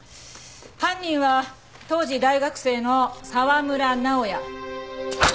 犯人は当時大学生の沢村直哉。